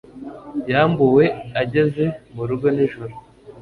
yambuwe ageze mu rugo nijoro